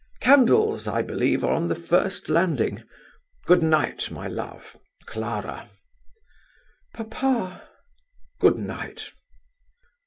"Candles, I believe, are on the first landing. Good night, my love. Clara!" "Papa!" "Good night."